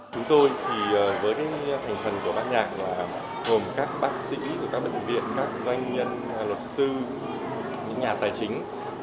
chúng tôi thì với thành phần của bàn nhạc là gồm các bác sĩ các bệnh viện các doanh nhân luật sư những nhà tài chính